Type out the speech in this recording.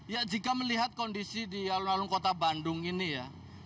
ya jika melihat kondisi di alun alun kota bandung ini ya